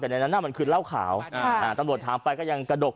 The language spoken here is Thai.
แต่ในนั้นน่ะมันคือเหล้าขาวตำรวจถามไปก็ยังกระดก